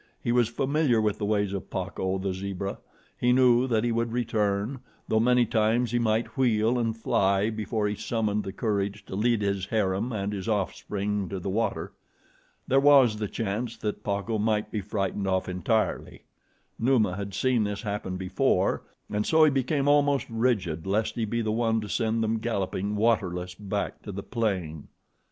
He was familiar with the ways of Pacco, the zebra. He knew that he would return, though many times he might wheel and fly before he summoned the courage to lead his harem and his offspring to the water. There was the chance that Pacco might be frightened off entirely. Numa had seen this happen before, and so he became almost rigid lest he be the one to send them galloping, waterless, back to the plain.